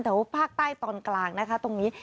ภาคใต้ตอนกลางนะคะตรงนี้